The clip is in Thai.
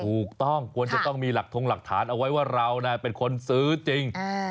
ควรจะต้องมีหลักทงหลักฐานเอาไว้ว่าเราเป็นคนซื้อจริง